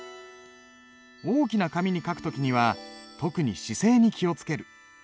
大きな紙に書く時には特に姿勢に気を付ける。